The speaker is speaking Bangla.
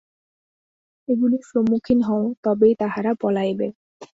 এগুলির সম্মুখীন হও, তবেই তাহারা পলাইবে।